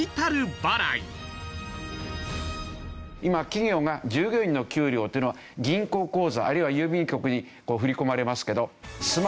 今企業が従業員の給料というのは銀行口座あるいは郵便局に振り込まれますけどスマホの決済アプリに